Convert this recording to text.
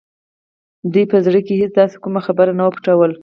دوی به په زړه کې هېڅ داسې کومه خبره نه وه پټوله